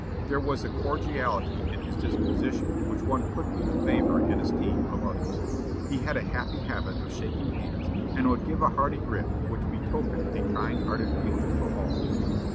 There was a cordiality in his disposition which won quickly the favor and esteem of others. He had a happy habit of shaking hands, and would give a hearty grip which betokened a kind hearted feeling for all....